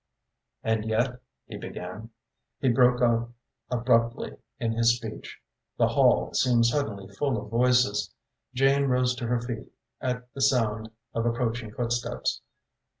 "And yet " he began. He broke off abruptly in his speech. The hall seemed suddenly full of voices. Jane rose to her feet at the sound of approaching footsteps.